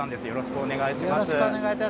よろしくお願いします。